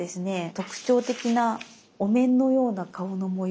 特徴的なお面のような顔の模様。